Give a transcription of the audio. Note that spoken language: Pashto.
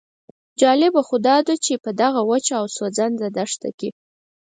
جالبه خو داده چې په دغه وچه او سوځنده دښته کې.